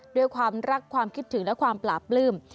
ด้วยความรักความคิดถึงและความปราบปลื้ม